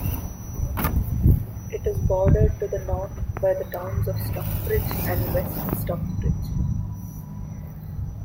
It is bordered to the north by the towns of Stockbridge and West Stockbridge.